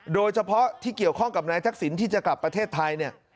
โดยเฉพาะที่เกี่ยวข้องกับนายทักษิณที่จะกลับประเทศไทยเนี่ย